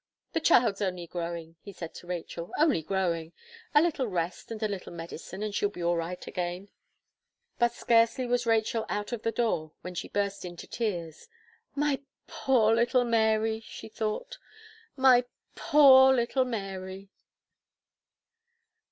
"The child's only growing," he said to Rachel, "only growing; a little rest and a little medicine, and she'll be all right again." But scarcely was Rachel out of the door, when she burst into tears. "My poor little Mary," she thought, "my poor little Mary!"